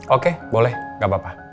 oke boleh gak apa apa